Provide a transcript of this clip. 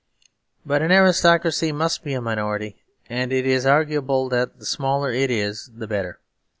But an aristocracy must be a minority, and it is arguable that the smaller it is the better.